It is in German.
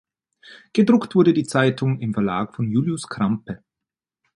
Gedruckt wurde die Zeitung im Verlag von Julius Krampe.